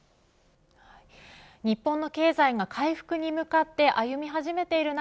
日本の経済が回復に向かって歩み始めている中